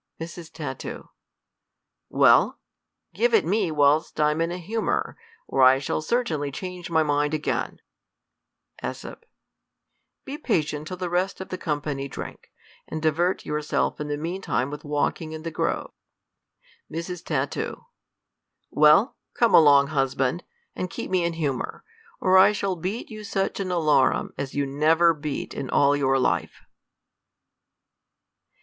Mrs. Tat. Well, give it me whilst I am in humour, or I shall certainly change my mind again. an* the Ms^ Be patient till the rest of the company drink, d divert yourself in the mean time with w^alkino; h\. grove. Mrs. Tat. Weil, come along, husband, and keep me in humour, or I >hall beat you such an alarum as you never h(^.i in all vnv.v life.